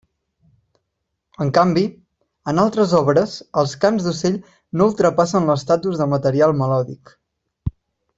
En canvi, en altres obres els cants d'ocell no ultrapassen l'estatus de material melòdic.